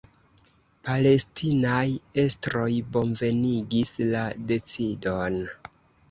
Palestinaj estroj bonvenigis la decidon.